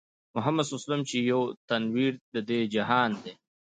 محمدص چې يو تنوير د دې جهان دی